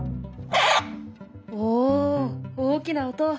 お大きな音！